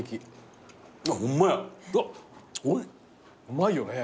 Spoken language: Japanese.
うまいよね。